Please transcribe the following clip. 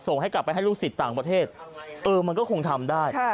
ให้กลับไปให้ลูกศิษย์ต่างประเทศเออมันก็คงทำได้